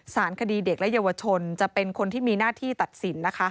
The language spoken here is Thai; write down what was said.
สารคดีเด็กและเยาวชนจะเป็นคนที่มีหน้าที่ตัดสิน